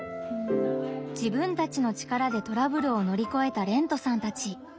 自分たちの力でトラブルをのりこえたれんとさんたち。